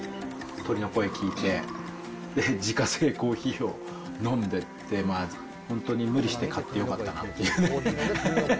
鳥の声聞いて、自家製コーヒーを飲んでって、本当に無理して買ってよかったなっていうね。